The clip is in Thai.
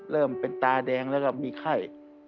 เริ่มเป็นตาแดงแล้วก็มีไข้